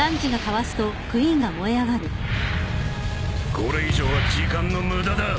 これ以上は時間の無駄だ！